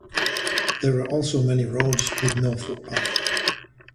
There are also many roads with no footpath.